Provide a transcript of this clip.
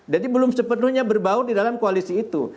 jadi belum sepenuhnya berbau di dalam koalisi itu